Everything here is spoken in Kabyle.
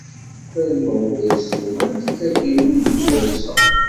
Rnu ula d ssuma n tkaliwin n tdawsa.